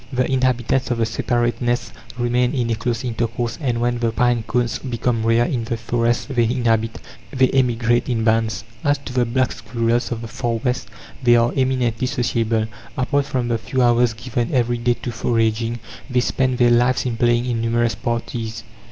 The inhabitants of the separate nests remain in a close intercourse, and when the pine cones become rare in the forest they inhabit, they emigrate in bands. As to the black squirrels of the Far West, they are eminently sociable. Apart from the few hours given every day to foraging, they spend their lives in playing in numerous parties.